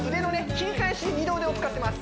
切り返しに二の腕を使ってます